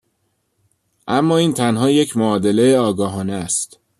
اما این تنها یک معادله آگاهانه است.